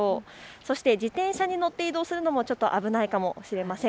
そして自転車に乗って移動するのも危ないかもしれません。